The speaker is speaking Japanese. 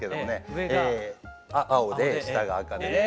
上が青で下が赤でね。